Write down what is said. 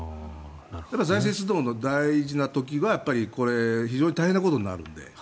財政出動の大事な時は非常に大変なことになるので。